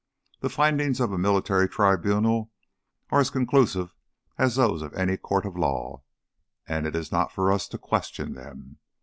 The findings of a military tribunal are as conclusive as those of any court of law, and it is not for us to question them.